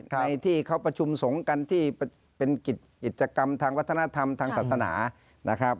ที่เขาประชุมสงกันที่เป็นกิจกรรมทางวัฒนธรรมทางศาสนานะครับ